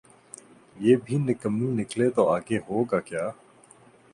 یہ بھی نکمیّ نکلے تو آگے ہوگاکیا؟